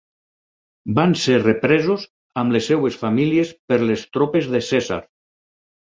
Van ser represos amb les seves famílies per les tropes de Cèsar.